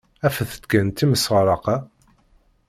Afet-d kan timseɛṛeqt-a!